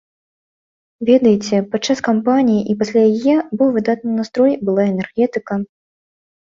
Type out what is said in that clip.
Ведаеце, падчас кампаніі і пасля яе быў выдатны настрой, была энергетыка.